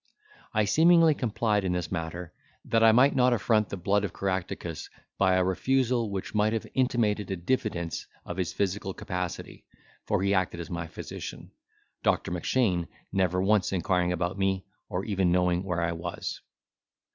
I seemingly complied in this matter, that I might not affront the blood of Caractacus, by a refusal which might have intimated a diffidence of his physical capacity, for he acted as my physician; Doctor Mackshane never once inquiring about me, or even knowing where I was.